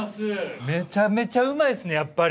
めちゃめちゃうまいですねやっぱり。